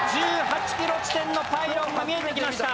１８ｋｍ地点のパイロンが見えてきました。